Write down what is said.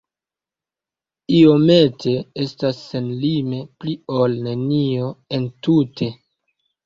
Iomete estas senlime pli ol nenio entute.